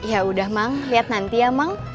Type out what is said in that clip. ya udah mang lihat nanti ya mang